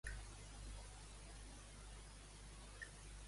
Sobre què s'han queixat molts eurodiputats de fora d'Espanya?